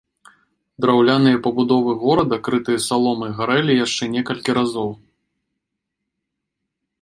Драўляныя пабудовы горада крытыя саломай гарэлі яшчэ некалькі разоў.